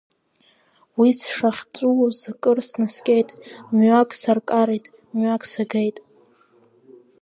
Уи сшахьҵәуоз кыр снаскьеит, мҩак саркареит, мҩак сагеит.